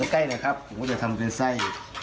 ใกล้นะครับผมก็จะทำเป็นไส้